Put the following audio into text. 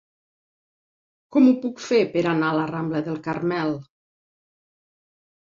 Com ho puc fer per anar a la rambla del Carmel?